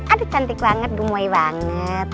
aduh cantik banget dumui banget